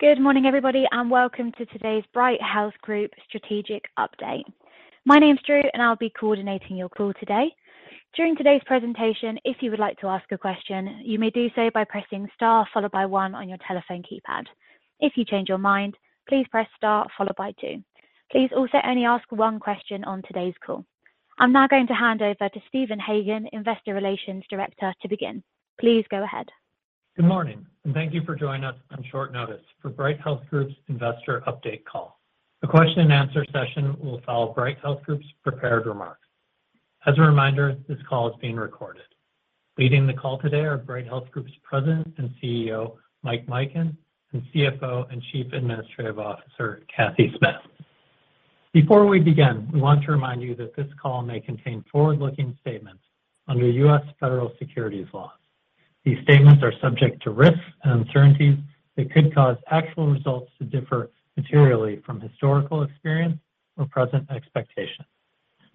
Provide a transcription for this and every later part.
Good morning, everybody, and welcome to today's Bright Health Group strategic update. My name is Drew, and I'll be coordinating your call today. During today's presentation, if you would like to ask a question, you may do so by pressing star followed by one on your telephone keypad. If you change your mind, please press star followed by two. Please also only ask one question on today's call. I'm now going to hand over to Stephen Hagan, Investor Relations Director, to begin. Please go ahead. Good morning, and thank you for joining us on short notice for Bright Health Group's investor update call. The question and answer session will follow Bright Health Group's prepared remarks. As a reminder, this call is being recorded. Leading the call today are Bright Health Group's President and CEO, Mike Mikan, and CFO and Chief Administrative Officer, Cathy Smith. Before we begin, we want to remind you that this call may contain forward-looking statements under U.S. federal securities laws. These statements are subject to risks and uncertainties that could cause actual results to differ materially from historical experience or present expectations.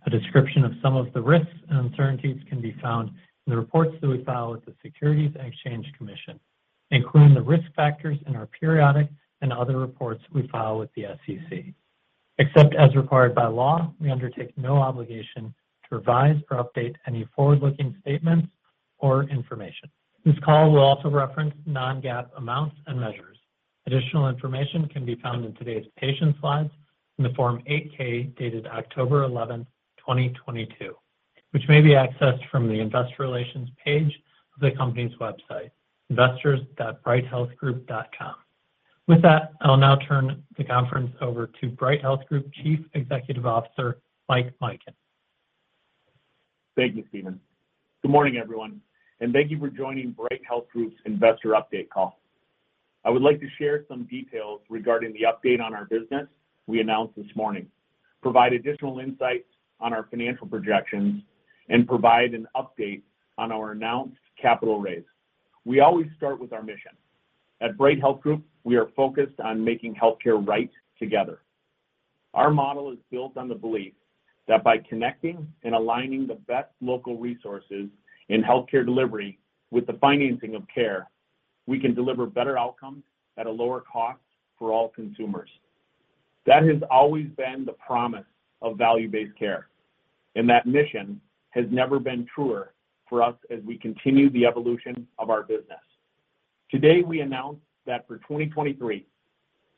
A description of some of the risks and uncertainties can be found in the reports that we file with the Securities and Exchange Commission, including the risk factors in our periodic and other reports we file with the SEC. Except as required by law, we undertake no obligation to revise or update any forward-looking statements or information. This call will also reference non-GAAP amounts and measures. Additional information can be found in today's presentation slides in the Form 8-K dated October 11, 2022, which may be accessed from the investor relations page of the company's website, investors.brighthealthgroup.com. With that, I'll now turn the conference over to Bright Health Group Chief Executive Officer, Mike Mikan. Thank you, Stephen. Good morning, everyone, and thank you for joining Bright Health Group's investor update call. I would like to share some details regarding the update on our business we announced this morning, provide additional insights on our financial projections, and provide an update on our announced capital raise. We always start with our mission. At Bright Health Group, we are focused on making healthcare right together. Our model is built on the belief that by connecting and aligning the best local resources in healthcare delivery with the financing of care, we can deliver better outcomes at a lower cost for all consumers. That has always been the promise of value-based care, and that mission has never been truer for us as we continue the evolution of our business. Today, we announce that for 2023,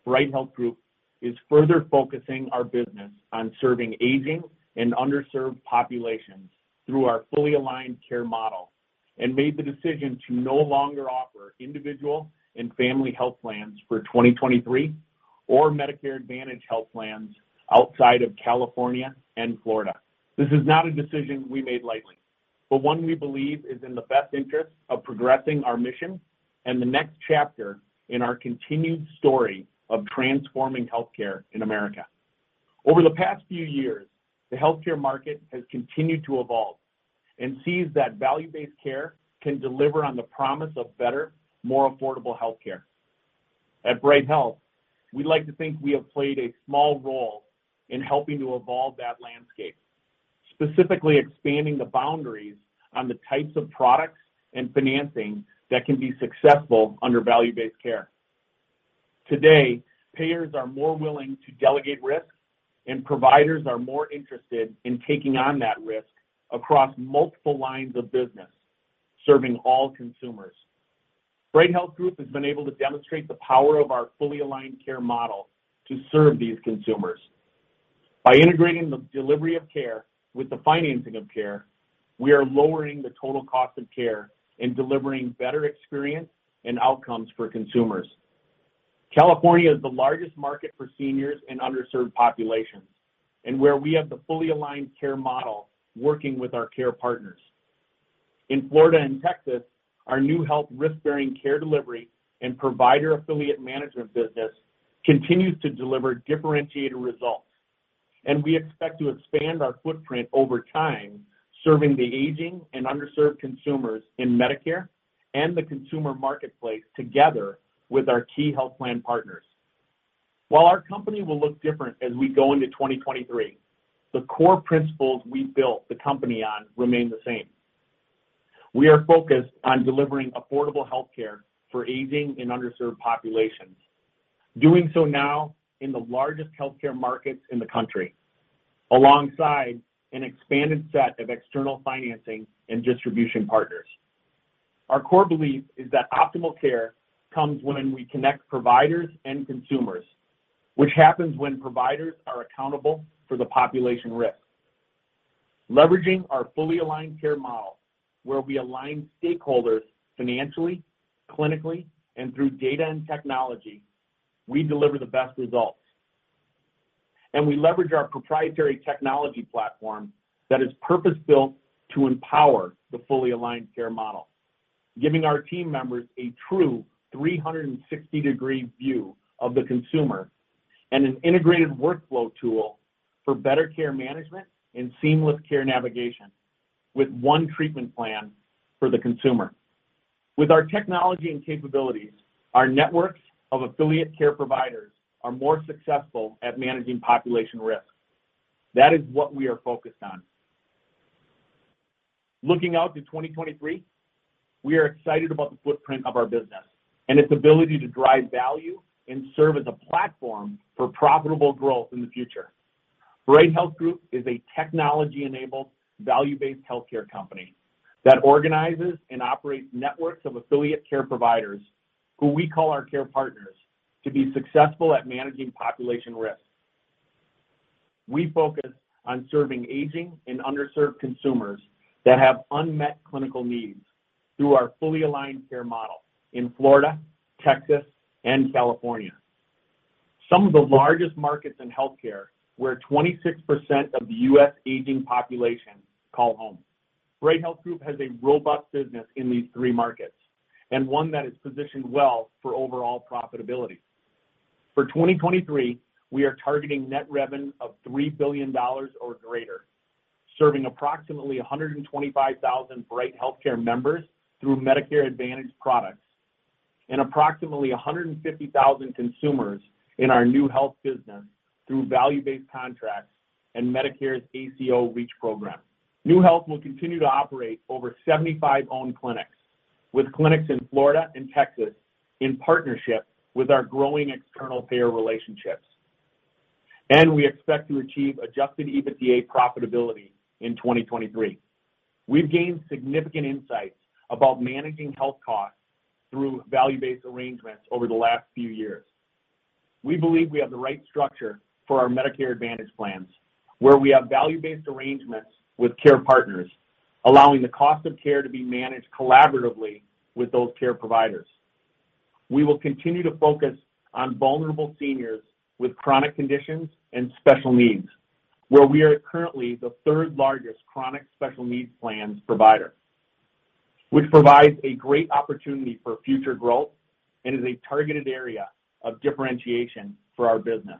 Bright Health Group is further focusing our business on serving aging and underserved populations through our Fully Aligned Care Model and made the decision to no longer offer individual and family health plans for 2023 or Medicare Advantage health plans outside of California and Florida. This is not a decision we made lightly, but one we believe is in the best interest of progressing our mission and the next chapter in our continued story of transforming healthcare in America. Over the past few years, the healthcare market has continued to evolve and sees that value-based care can deliver on the promise of better, more affordable healthcare. At Bright Health, we'd like to think we have played a small role in helping to evolve that landscape, specifically expanding the boundaries on the types of products and financing that can be successful under value-based care. Today, payers are more willing to delegate risk, and providers are more interested in taking on that risk across multiple lines of business, serving all consumers. Bright Health Group has been able to demonstrate the power of our Fully Aligned Care Model to serve these consumers. By integrating the delivery of care with the financing of care, we are lowering the total cost of care and delivering better experience and outcomes for consumers. California is the largest market for seniors and underserved populations, and where we have the Fully Aligned Care Model working with our care partners. In Florida and Texas, our new health risk-bearing care delivery and provider affiliate management business continues to deliver differentiated results. We expect to expand our footprint over time, serving the aging and underserved consumers in Medicare and the consumer marketplace together with our key health plan partners. While our company will look different as we go into 2023, the core principles we built the company on remain the same. We are focused on delivering affordable health care for aging and underserved populations, doing so now in the largest healthcare markets in the country, alongside an expanded set of external financing and distribution partners. Our core belief is that optimal care comes when we connect providers and consumers, which happens when providers are accountable for the population risk. Leveraging our Fully Aligned Care Model, where we align stakeholders financially, clinically, and through data and technology, we deliver the best results. We leverage our proprietary technology platform that is purpose-built to empower the Fully Aligned Care Model, giving our team members a true 360-degree view of the consumer and an integrated workflow tool for better care management and seamless care navigation with one treatment plan for the consumer. With our technology and capabilities, our networks of affiliate care providers are more successful at managing population risk. That is what we are focused on. Looking out to 2023, we are excited about the footprint of our business and its ability to drive value and serve as a platform for profitable growth in the future. Bright Health Group is a technology-enabled, value-based healthcare company that organizes and operates networks of affiliate care providers, who we call our care partners, to be successful at managing population risk. We focus on serving aging and underserved consumers that have unmet clinical needs through our Fully Aligned Care Model in Florida, Texas, and California, some of the largest markets in healthcare, where 26% of the U.S. aging population call home. Bright Health Group has a robust business in these three markets, and one that is positioned well for overall profitability. For 2023, we are targeting net revenue of $3 billion or greater, serving approximately 125,000 Bright HealthCare members through Medicare Advantage products, and approximately 150,000 consumers in our NeueHealth business through value-based contracts and Medicare's ACO REACH program. NeueHealth will continue to operate over 75 owned clinics, with clinics in Florida and Texas in partnership with our growing external payer relationships. We expect to achieve adjusted EBITDA profitability in 2023. We've gained significant insights about managing health costs through value-based arrangements over the last few years. We believe we have the right structure for our Medicare Advantage plans, where we have value-based arrangements with care partners, allowing the cost of care to be managed collaboratively with those care providers. We will continue to focus on vulnerable seniors with chronic conditions and special needs, where we are currently the third-largest Chronic Special Needs Plans provider, which provides a great opportunity for future growth and is a targeted area of differentiation for our business.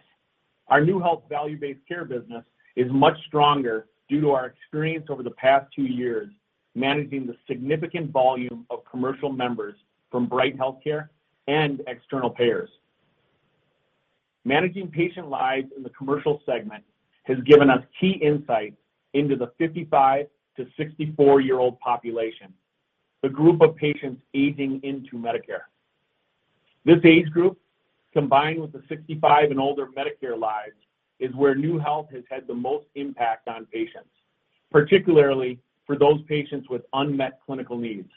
Our NeueHealth value-based care business is much stronger due to our experience over the past two years, managing the significant volume of commercial members from Bright HealthCare and external payers. Managing patient lives in the commercial segment has given us key insights into the 55- to 64-year-old population, the group of patients aging into Medicare. This age group, combined with the 65 and older Medicare lives, is where NeueHealth has had the most impact on patients, particularly for those patients with unmet clinical needs.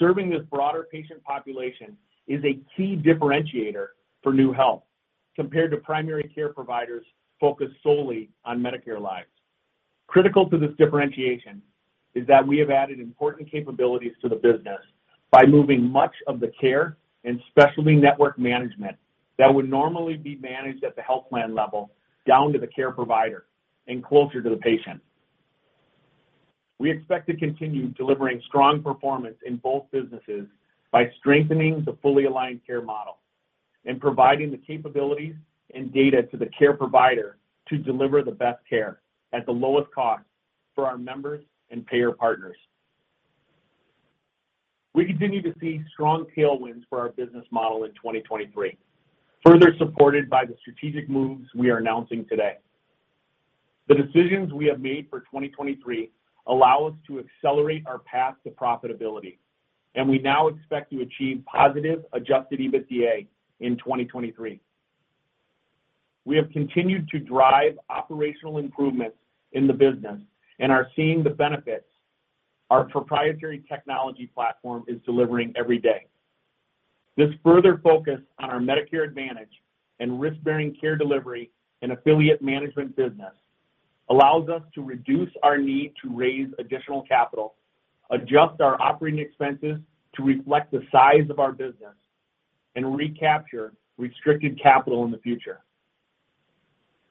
Serving this broader patient population is a key differentiator for NeueHealth compared to primary care providers focused solely on Medicare lives. Critical to this differentiation is that we have added important capabilities to the business by moving much of the care and specialty network management that would normally be managed at the health plan level down to the care provider and closer to the patient. We expect to continue delivering strong performance in both businesses by strengthening the Fully Aligned Care Model and providing the capabilities and data to the care provider to deliver the best care at the lowest cost for our members and payer partners. We continue to see strong tailwinds for our business model in 2023, further supported by the strategic moves we are announcing today. The decisions we have made for 2023 allow us to accelerate our path to profitability, and we now expect to achieve positive adjusted EBITDA in 2023. We have continued to drive operational improvements in the business and are seeing the benefits our proprietary technology platform is delivering every day. This further focus on our Medicare Advantage and risk-bearing care delivery and affiliate management business allows us to reduce our need to raise additional capital, adjust our operating expenses to reflect the size of our business, and recapture restricted capital in the future.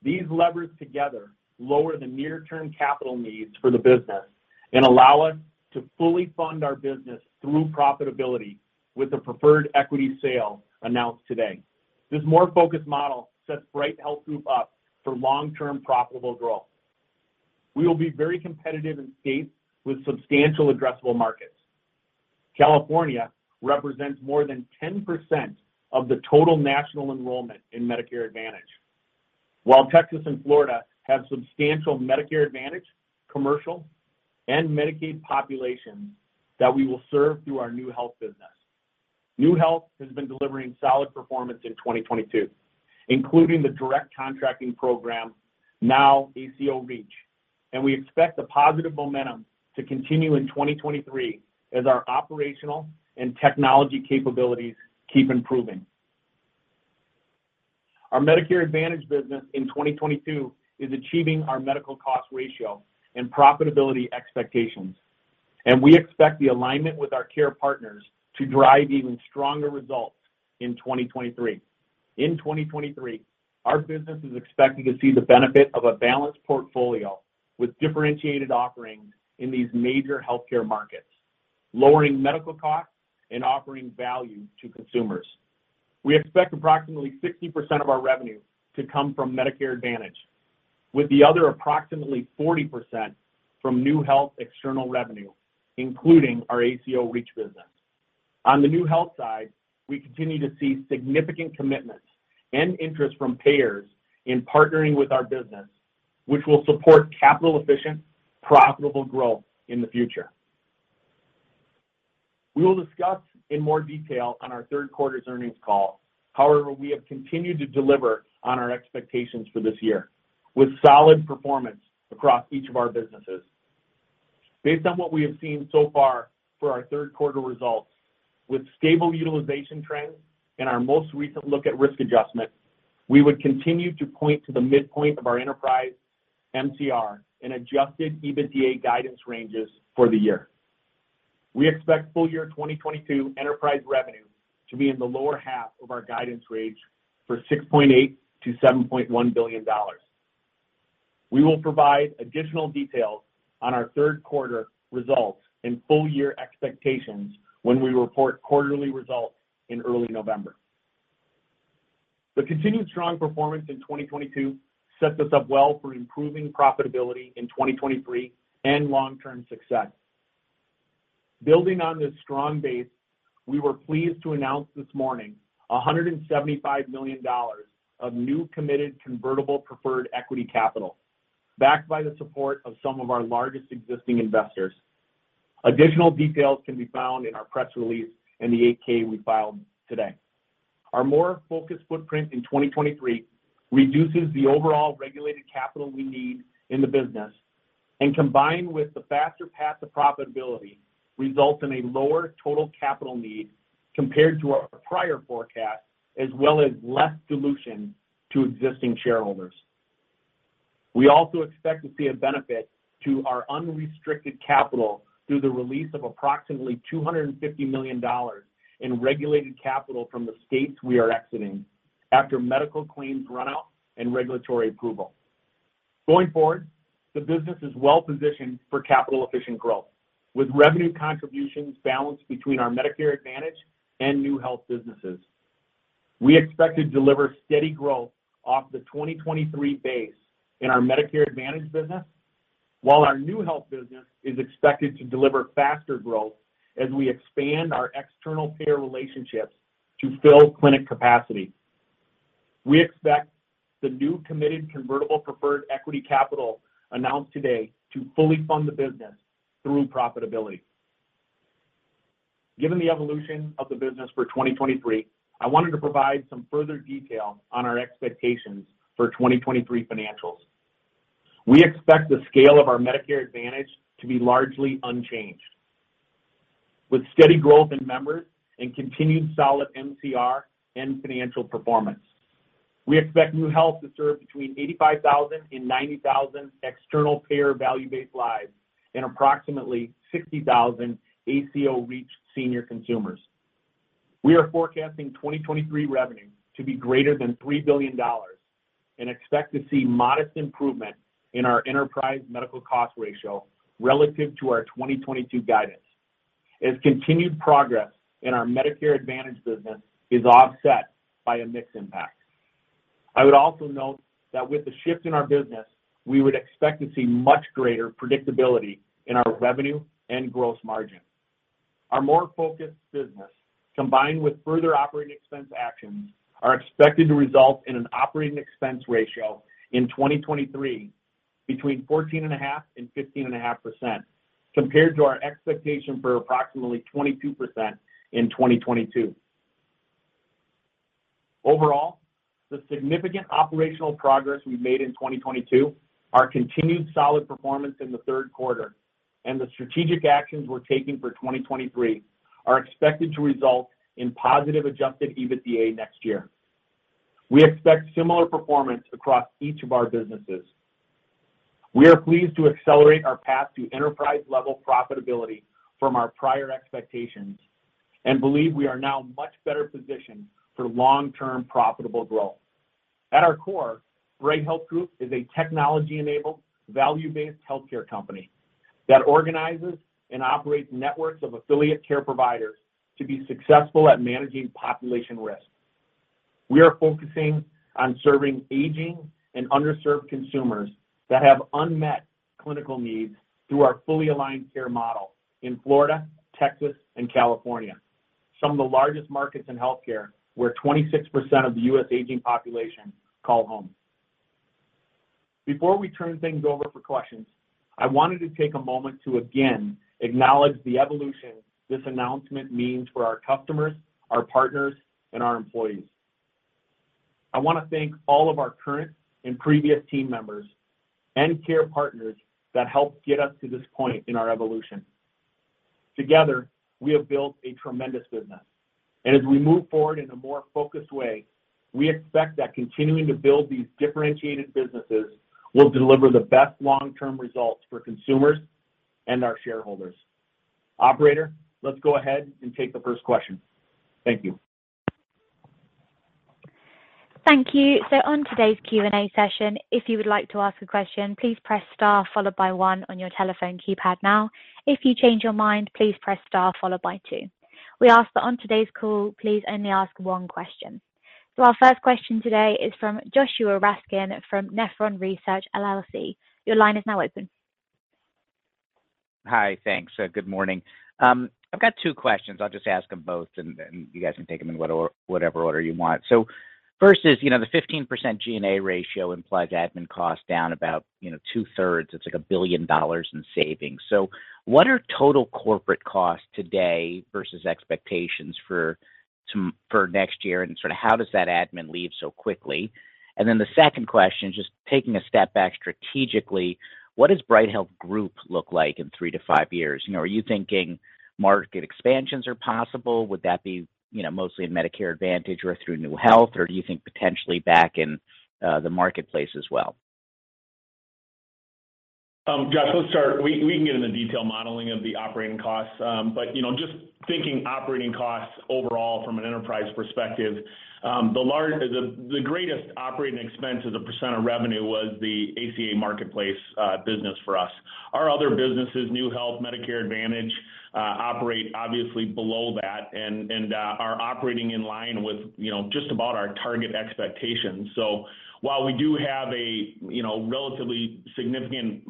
These levers together lower the near-term capital needs for the business and allow us to fully fund our business through profitability with the preferred equity sale announced today. This more focused model sets Bright Health Group up for long-term profitable growth. We will be very competitive in states with substantial addressable markets. California represents more than 10% of the total national enrollment in Medicare Advantage, while Texas and Florida have substantial Medicare Advantage, commercial, and Medicaid populations that we will serve through our NeueHealth business. NeueHealth has been delivering solid performance in 2022, including the direct contracting program, now ACO REACH, and we expect the positive momentum to continue in 2023 as our operational and technology capabilities keep improving. Our Medicare Advantage business in 2022 is achieving our medical cost ratio and profitability expectations, and we expect the alignment with our care partners to drive even stronger results in 2023. In 2023, our business is expecting to see the benefit of a balanced portfolio with differentiated offerings in these major healthcare markets, lowering medical costs and offering value to consumers. We expect approximately 60% of our revenue to come from Medicare Advantage, with the other approximately 40% from NeueHealth external revenue, including our ACO REACH business. On the NeueHealth side, we continue to see significant commitments and interest from payers in partnering with our business, which will support capital-efficient, profitable growth in the future. We will discuss in more detail on our third-quarter earnings call. However, we have continued to deliver on our expectations for this year with solid performance across each of our businesses. Based on what we have seen so far for our third quarter results, with stable utilization trends and our most recent look at risk adjustment, we would continue to point to the midpoint of our enterprise MCR and adjusted EBITDA guidance ranges for the year. We expect full year 2022 enterprise revenue to be in the lower half of our guidance range for $6.8 billion-$7.1 billion. We will provide additional details on our third quarter results and full year expectations when we report quarterly results in early November. The continued strong performance in 2022 sets us up well for improving profitability in 2023 and long-term success. Building on this strong base, we were pleased to announce this morning $175 million of new committed convertible preferred equity capital, backed by the support of some of our largest existing investors. Additional details can be found in our press release and the 8-K we filed today. Our more focused footprint in 2023 reduces the overall regulated capital we need in the business, and combined with the faster path to profitability, results in a lower total capital need compared to our prior forecast, as well as less dilution to existing shareholders. We also expect to see a benefit to our unrestricted capital through the release of approximately $250 million in regulated capital from the states we are exiting after medical claims run out and regulatory approval. Going forward, the business is well positioned for capital efficient growth with revenue contributions balanced between our Medicare Advantage and NeueHealth businesses. We expect to deliver steady growth off the 2023 base in our Medicare Advantage business, while our NeueHealth business is expected to deliver faster growth as we expand our external payer relationships to fill clinic capacity. We expect the new committed convertible preferred equity capital announced today to fully fund the business through profitability. Given the evolution of the business for 2023, I wanted to provide some further detail on our expectations for 2023 financials. We expect the scale of our Medicare Advantage to be largely unchanged, with steady growth in members and continued solid MCR and financial performance. We expect NeueHealth to serve between 85,000 and 90,000 external payer value-based lives and approximately 60,000 ACO REACH senior consumers. We are forecasting 2023 revenue to be greater than $3 billion and expect to see modest improvement in our enterprise medical cost ratio relative to our 2022 guidance as continued progress in our Medicare Advantage business is offset by a mix impact. I would also note that with the shift in our business, we would expect to see much greater predictability in our revenue and gross margin. Our more focused business, combined with further operating expense actions, are expected to result in an operating expense ratio in 2023 between 14.5% and 15.5%, compared to our expectation for approximately 22% in 2022. Overall, the significant operational progress we've made in 2022, our continued solid performance in the third quarter, and the strategic actions we're taking for 2023 are expected to result in positive adjusted EBITDA next year. We expect similar performance across each of our businesses. We are pleased to accelerate our path to enterprise-level profitability from our prior expectations and believe we are now much better positioned for long-term profitable growth. At our core, Bright Health Group is a technology-enabled, value-based healthcare company that organizes and operates networks of affiliate care providers to be successful at managing population risk. We are focusing on serving aging and underserved consumers that have unmet clinical needs through our Fully Aligned Care Model in Florida, Texas, and California, some of the largest markets in healthcare, where 26% of the U.S. aging population call home. Before we turn things over for questions, I wanted to take a moment to again acknowledge the evolution this announcement means for our customers, our partners, and our employees. I want to thank all of our current and previous team members and care partners that helped get us to this point in our evolution. Together, we have built a tremendous business. As we move forward in a more focused way, we expect that continuing to build these differentiated businesses will deliver the best long-term results for consumers and our shareholders. Operator, let's go ahead and take the first question. Thank you. Thank you. On today's Q&A session, if you would like to ask a question, please press star followed by one on your telephone keypad now. If you change your mind, please press star followed by two. We ask that on today's call, please only ask one question. Our first question today is from Joshua Raskin from Nephron Research LLC. Your line is now open. Hi. Thanks. Good morning. I've got two questions. I'll just ask them both and you guys can take them in whatever order you want. First is, you know, the 15% G&A ratio implies admin costs down about, you know, two-thirds. It's like $1 billion in savings. What are total corporate costs today versus expectations for next year, and sort of how does that admin leave so quickly? The second question, just taking a step back strategically, what does Bright Health Group look like in 3-5 years? You know, are you thinking market expansions are possible? Would that be, you know, mostly in Medicare Advantage or through NeueHealth, or do you think potentially back in the marketplace as well? Josh, let's start. We can get into detail modeling of the operating costs. You know, just thinking operating costs overall from an enterprise perspective, the greatest operating expense as a percent of revenue was the ACA marketplace business for us. Our other businesses, NeueHealth, Medicare Advantage, operate obviously below that and are operating in line with, you know, just about our target expectations. While we do have a, you know, relatively significant,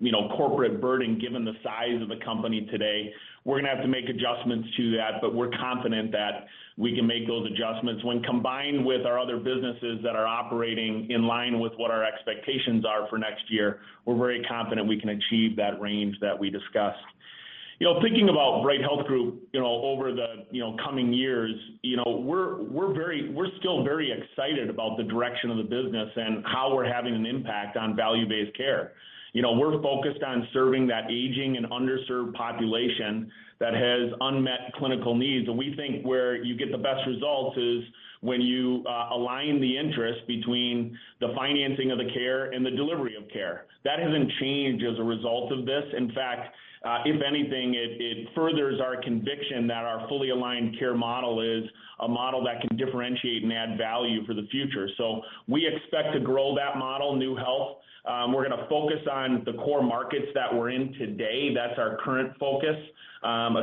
you know, corporate burden given the size of the company today, we're gonna have to make adjustments to that. We're confident that we can make those adjustments. When combined with our other businesses that are operating in line with what our expectations are for next year, we're very confident we can achieve that range that we discussed. You know, thinking about Bright Health Group, you know, over the, you know, coming years, you know, we're still very excited about the direction of the business and how we're having an impact on value-based care. You know, we're focused on serving that aging and underserved population that has unmet clinical needs. We think where you get the best results is when you align the interest between the financing of the care and the delivery of care. That hasn't changed as a result of this. In fact, if anything, it furthers our conviction that our Fully Aligned Care Model is a model that can differentiate and add value for the future. We expect to grow that model, NeueHealth. We're gonna focus on the core markets that we're in today. That's our current focus,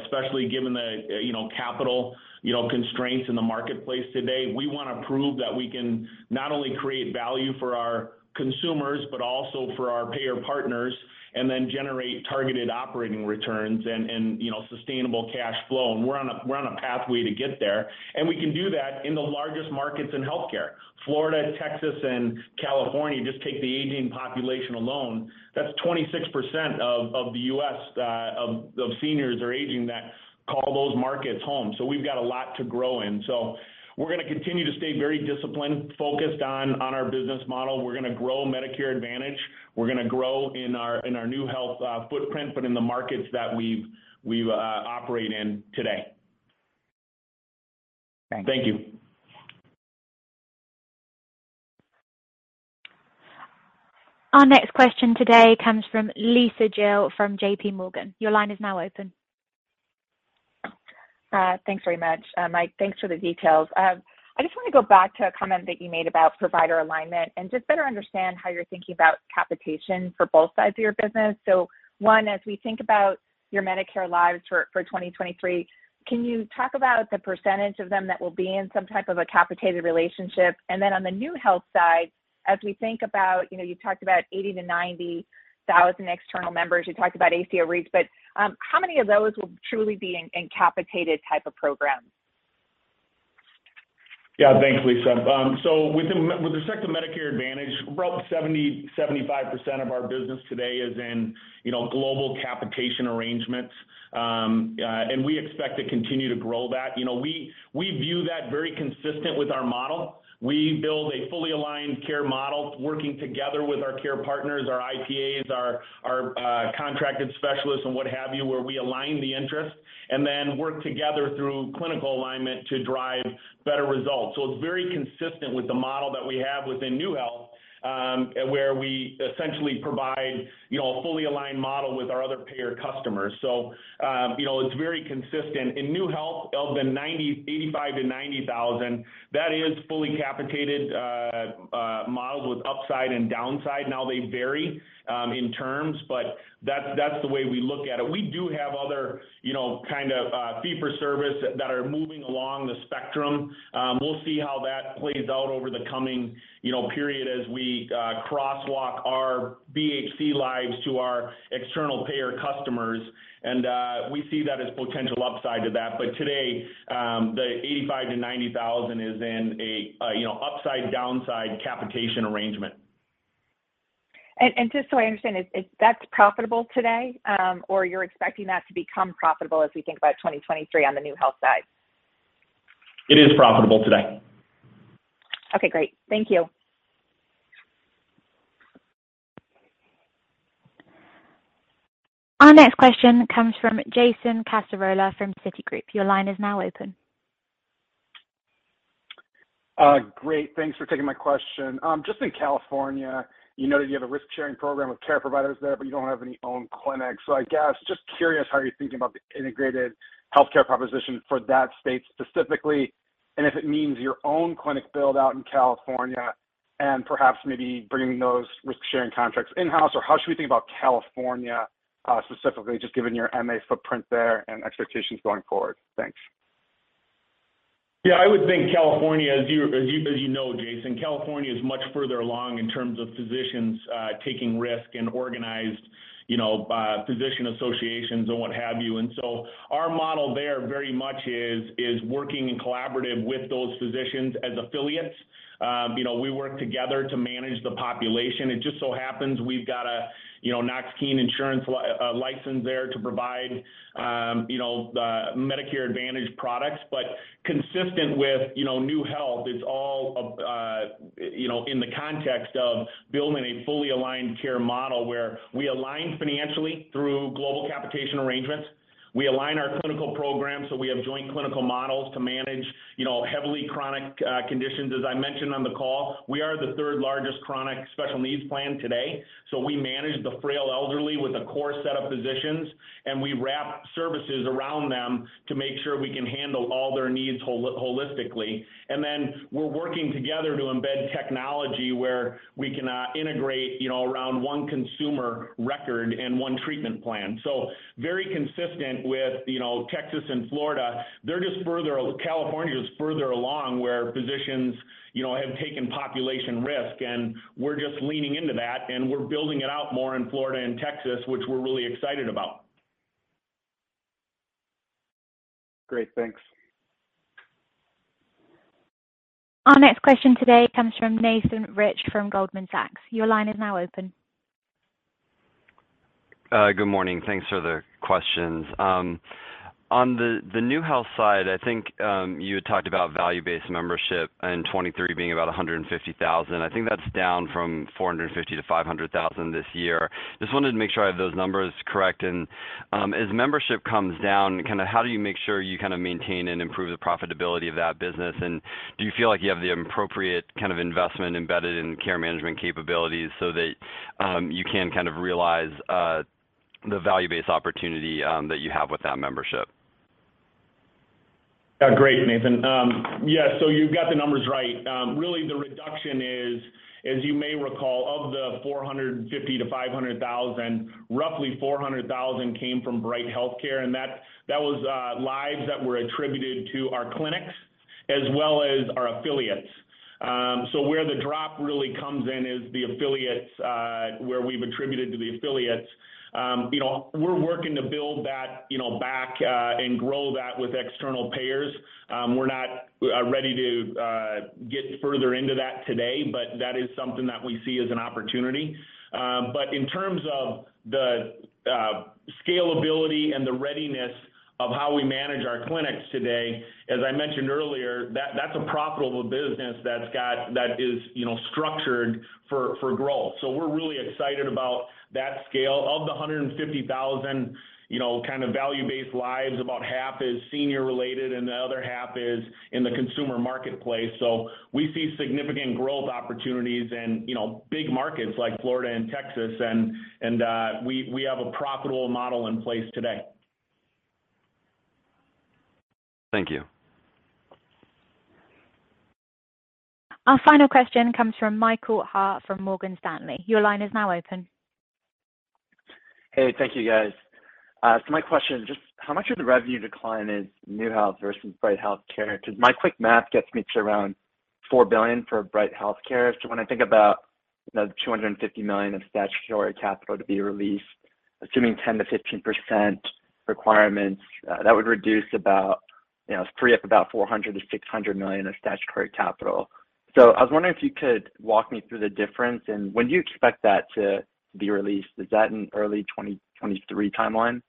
especially given the, you know, capital, you know, constraints in the marketplace today. We wanna prove that we can not only create value for our consumers, but also for our payer partners, and then generate targeted operating returns and, you know, sustainable cash flow. We're on a pathway to get there, and we can do that in the largest markets in healthcare. Florida, Texas, and California, just take the aging population alone, that's 26% of the U.S. seniors or aging that call those markets home. We've got a lot to grow in. We're gonna continue to stay very disciplined, focused on our business model. We're gonna grow Medicare Advantage. We're gonna grow in our NeueHealth footprint, but in the markets that we operate in today. Thanks. Thank you. Our next question today comes from Lisa Gill from JPMorgan. Your line is now open. Thanks very much. Mike, thanks for the details. I just wanna go back to a comment that you made about provider alignment and just better understand how you're thinking about capitation for both sides of your business. One, as we think about your Medicare lives for 2023, can you talk about the percentage of them that will be in some type of a capitated relationship? Then on the NeueHealth side, as we think about, you know, you talked about 80,000-90,000 external members, you talked about ACO REACH, but how many of those will truly be in capitated type of programs? Yeah. Thanks, Lisa. With the sector of Medicare Advantage, about 75% of our business today is in, you know, global capitation arrangements. We expect to continue to grow that. You know, we view that very consistent with our model. We build a Fully Aligned Care Model, working together with our care partners, our IPAs, our contracted specialists and what have you, where we align the interests and then work together through clinical alignment to drive better results. It's very consistent with the model that we have within NeueHealth, where we essentially provide, you know, a Fully Aligned Care Model with our other payer customers. You know, it's very consistent. In NeueHealth, of the 85,000-90,000, that is fully capitated models with upside and downside. Now they vary in terms, but that's the way we look at it. We do have other, you know, kind of, fee for service that are moving along the spectrum. We'll see how that plays out over the coming, you know, period as we crosswalk our BHC lives to our external payer customers. We see that as potential upside to that. Today, the 85,000-90,000 is in a, you know, upside-downside capitation arrangement. Just so I understand, is that profitable today, or you're expecting that to become profitable as we think about 2023 on the NeueHealth side? It is profitable today. Okay, great. Thank you. Our next question comes from Jason Cassorla from Citigroup. Your line is now open. Great. Thanks for taking my question. Just in California, you know that you have a risk-sharing program with care providers there, but you don't have any own clinics. I guess, just curious how you're thinking about the integrated healthcare proposition for that state specifically, and if it means your own clinic build-out in California and perhaps maybe bringing those risk-sharing contracts in-house, or how should we think about California, specifically just given your MA footprint there and expectations going forward? Thanks. Yeah, I would think California, as you know, Jason, California is much further along in terms of physicians taking risk and organized physician associations and what have you. Our model there very much is working in collaboration with those physicians as affiliates. You know, we work together to manage the population. It just so happens we've got a Knox-Keene Insurance license there to provide the Medicare Advantage products. Consistent with NeueHealth, it's all in the context of building a fully aligned care model where we align financially through global capitation arrangements. We align our clinical programs, so we have joint clinical models to manage heavily chronic conditions. As I mentioned on the call, we are the third largest Chronic Special Needs Plan today. We manage the frail elderly with a core set of physicians, and we wrap services around them to make sure we can handle all their needs holistically. We're working together to embed technology where we can integrate, you know, around one consumer record and one treatment plan. Very consistent with, you know, Texas and Florida. They're just further. California is further along where physicians, you know, have taken population risk, and we're just leaning into that, and we're building it out more in Florida and Texas, which we're really excited about. Great. Thanks. Our next question today comes from Nathan Rich from Goldman Sachs. Your line is now open. Good morning. Thanks for the questions. On the NeueHealth side, I think you had talked about value-based membership and 2023 being about 150,000. I think that's down from 450,000-500,000 this year. Just wanted to make sure I have those numbers correct. As membership comes down, kinda how do you make sure you kinda maintain and improve the profitability of that business? Do you feel like you have the appropriate kind of investment embedded in care management capabilities so that you can kind of realize the value-based opportunity that you have with that membership? Yeah. Great, Nathan. Yeah, so you've got the numbers right. Really the reduction is, as you may recall, of the 450,000-500,000; roughly 400,000 came from Bright HealthCare, and that was lives that were attributed to our clinics as well as our affiliates. So where the drop really comes in is the affiliates, where we've attributed to the affiliates. You know, we're working to build that, you know, back and grow that with external payers. We're not ready to get further into that today, but that is something that we see as an opportunity. But in terms of the scalability and the readiness of how we manage our clinics today, as I mentioned earlier, that's a profitable business that is, you know, structured for growth. We're really excited about that scale. Of the 150,000, you know, kind of value-based lives, about half is senior related and the other half is in the consumer marketplace. We see significant growth opportunities in, you know, big markets like Florida and Texas and we have a profitable model in place today. Thank you. Our final question comes from Michael Ha from Morgan Stanley. Your line is now open. Hey, thank you, guys. My question is just how much of the revenue decline is NeueHealth versus Bright HealthCare? 'Cause my quick math gets me to around $4 billion for Bright HealthCare. When I think about, you know, the $250 million of statutory capital to be released, assuming 10%-15% requirements, that would reduce about, you know, free up about $400 million-$600 million of statutory capital. I was wondering if you could walk me through the difference and when do you expect that to be released. Is that in early 2023 timeline?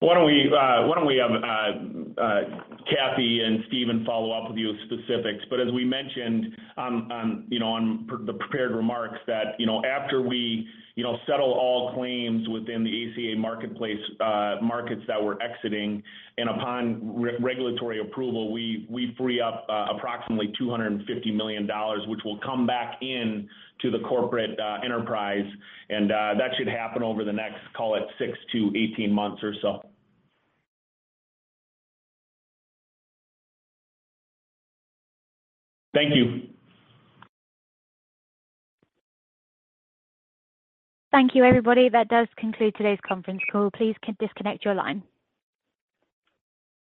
Why don't we have Cathy and Stephen follow up with you with specifics? As we mentioned on the prepared remarks that you know after we settle all claims within the ACA marketplace markets that we're exiting and upon regulatory approval we free up approximately $250 million which will come back into the corporate enterprise. That should happen over the next call it 6-18 months or so. Thank you. Thank you, everybody. That does conclude today's conference call. Please disconnect your line.